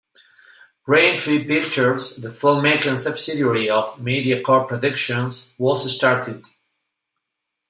Raintree Pictures, the filmmaking subsidiary of MediaCorp Productions, was started.